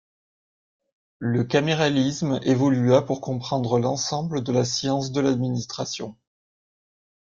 Le caméralisme évolua pour comprendre l'ensemble de la science de l'administration.